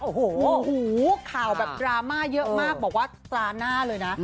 โอ้โหข่าวแบบดราม่าเยอะมากบอกว่าตราหน้าเลยนะ